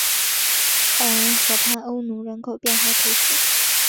奥恩河畔欧努人口变化图示